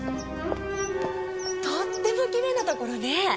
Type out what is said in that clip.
とってもきれいなところね。